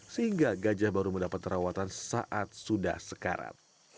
sehingga gajah baru mendapat perawatan saat sudah sekarat